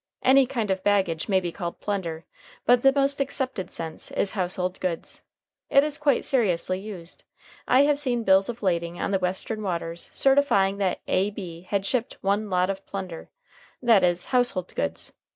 Any kind of baggage may be called plunder, but the most accepted sense is household goods. It is quite seriously used. I have seen bills of lading on the Western waters certifying that A.B. had shipped "1 lot of plunder;" that is, household goods.